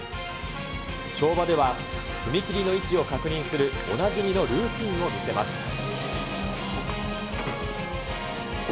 跳馬では、踏み切りの位置を確認するおなじみのルーティンを見せます。